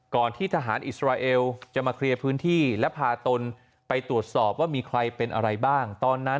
ที่ทหารอิสราเอลจะมาเคลียร์พื้นที่และพาตนไปตรวจสอบว่ามีใครเป็นอะไรบ้างตอนนั้น